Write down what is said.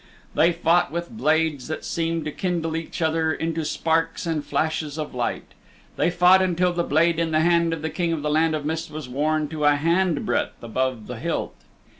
They fought with blades that seemed to kindle each other into sparks and flashes of light. They fought until the blade in the hand of the King of the Land of Mist was worn to a hand breadth above the hilt.